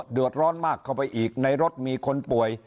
เดือดร้อนมากเข้าไปอีกในรถมีคนป่วย